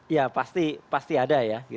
ya pasti ada ya